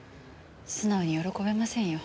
素直に喜べませんよ。